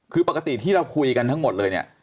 คือปกติที่เราคุยกันทั้งหมดเลยเนี่ย